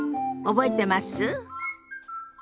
覚えてます？